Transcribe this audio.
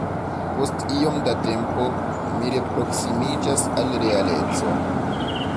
Post iom da tempo, mi reproksimiĝas al realeco.